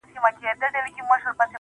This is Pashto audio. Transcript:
o پسله كلونه چي جانان تـه ورځـي.